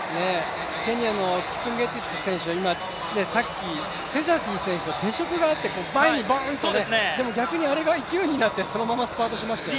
ケニアのキプンゲティッチ選手はさっき、セジャティ選手と接触があって、前にぼーんとね、でも逆にあれが勢いになって、そのままスパートしましたね。